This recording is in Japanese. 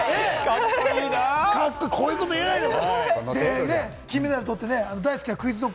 こういうこと言えないよ。